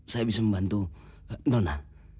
saya bisa membantu nona